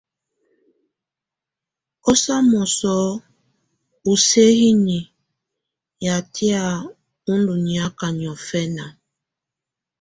Ú samɔsɔ ù sǝhiniǝ́ yatɛ̀á ù ndɔ̀ niaka niɔ̀fɛ̀na.